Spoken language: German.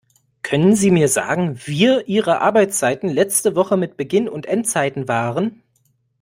Können sie mir sagen, wir ihre Arbeitszeiten letzte Woche mit Beginn und Endzeiten waren?